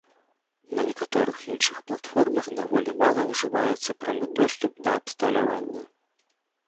На некаторых іншых платформах даволі мала ужываецца прамы доступ да абсталявання.